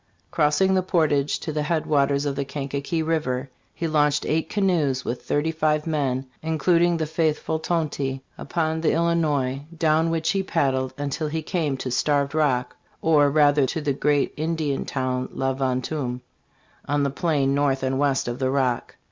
Crossing the portage to the head waters of the Kankakee river, he launched eight canoes with thirty five men, including the faithful 24 STARVED ROCK : A HISTORICAL SKETCH. Tonty, upon the Illinois, down which he paddled until he came to Starved Rock, or, rather, to the great Indian town " La Vantura," on the plain north and west of the Rock.